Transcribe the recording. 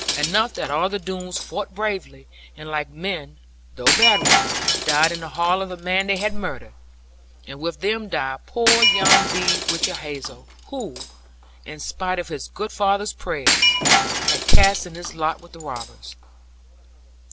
Enough that all the Doones fought bravely; and like men (though bad ones) died in the hall of the man they had murdered. And with them died poor young De Whichehalse, who, in spite of his good father's prayers, had cast in his lot with the robbers.